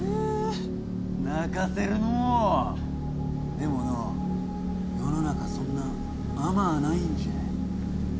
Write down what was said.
でもの世の中そんな甘あないんじゃ。